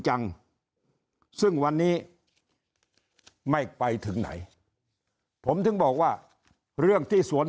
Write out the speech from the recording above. จังซึ่งวันนี้ไม่ไปถึงไหนผมถึงบอกว่าเรื่องที่สวน